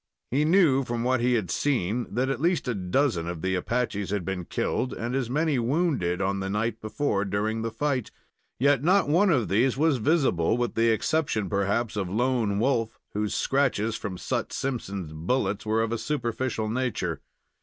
He knew, from what he had seen, that at least a dozen of the Apaches had been killed, and as many wounded, on the night before during the fight. Yet not one of these was visible, with the exception, perhaps, of Lone Wolf, whose scratches from Sut Simpson's bullets were of a superficial nature.